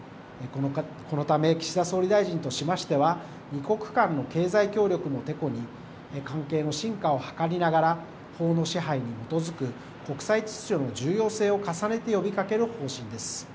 このため、岸田総理大臣としましては、２国間の経済協力もてこに関係の深化を図りながら、法の支配に基づく国際秩序の重要性を重ねて呼びかける方針です。